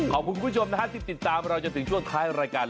คุณผู้ชมนะฮะที่ติดตามเราจนถึงช่วงท้ายรายการ